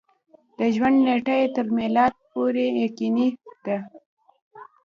د ژوند نېټه یې تر میلاد پورې یقیني ده.